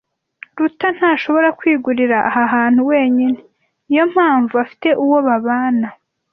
Ruta ntashobora kwigurira aha hantu wenyine. Niyo mpamvu afite uwo babana.